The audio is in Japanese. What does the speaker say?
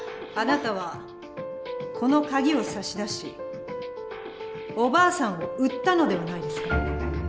あなたはこのカギを差し出しおばあさんを売ったのではないですか？